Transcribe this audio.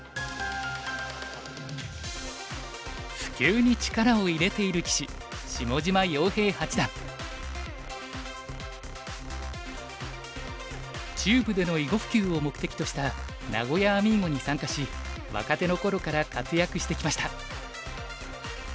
普及に力を入れている棋士中部での囲碁普及を目的とした名古屋アミーゴに参加し若手の頃から活躍してきました。